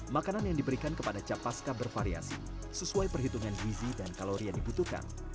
makanan yang diberikan kepada capaska bervariasi sesuai perhitungan gizi dan kalori yang dibutuhkan